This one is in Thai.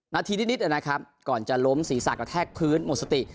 นาทีนิดนะครับก่อนจะล้มศีรษะกระแทกพื้นหมดสติ